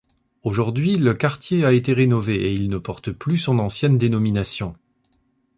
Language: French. Aujourd'hui, le quartier a été rénové, et il ne porte plus son ancienne dénomination.